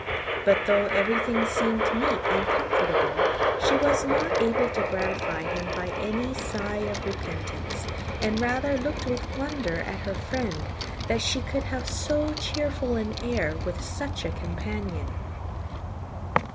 But though everything seemed neat and comfortable, she was not able to gratify him by any sigh of repentance; and rather looked with wonder at her friend, that she could have so cheerful an air with such a companion.